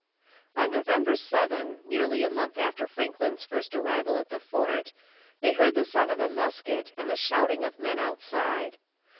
On November 7, nearly a month after Franklin's first arrival at the fort, they heard the sound of a musket and the shouting of men outside.